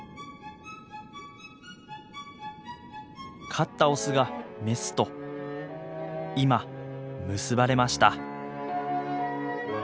勝ったオスがメスと今結ばれました。